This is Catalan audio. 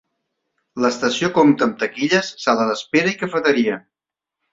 L'estació compta amb taquilles, sala d'espera i cafeteria.